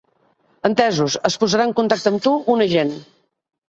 Entesos, es posarà en contacte amb tu un agent.